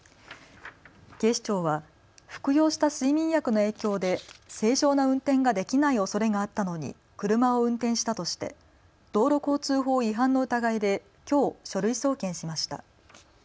警視庁は服用した睡眠薬の影響で正常な運転ができないおそれがあったのに車を運転したとして道路交通法違反の疑いできょう書類送検しました。